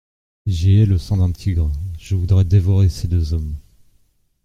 J'y ai le sang d'un tigre, je voudrais dévorer ces deux hommes.